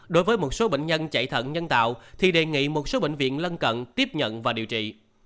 đối với một số bệnh nhân chạy thận nhân tạo thì đề nghị một số bệnh viện lân cận tiếp nhận và điều trị